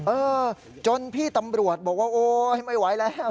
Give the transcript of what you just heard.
เออจนพี่ตำรวจบอกว่าโอ๊ยไม่ไหวแล้ว